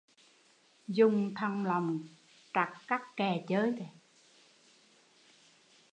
Dùng thòng lọng trặt cắc kè chơi